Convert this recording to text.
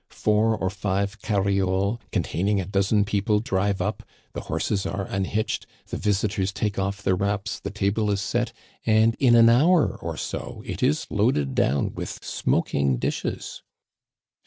Four or five carriolesy containing a dozen people, drive up ; the horses are unhitched, the visitors take off their wraps, the table is set, and in an hour or so it is loaded down with smoking dishes."